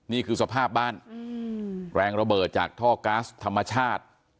นี่คือสภาพบ้านแรงระเบิดจากท่อก๊าซธรรมชาติ